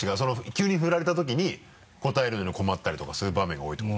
急に振られた時に応えるのに困ったりとかそういう場面が多いとかさ。